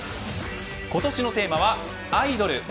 今年のテーマはアイドル。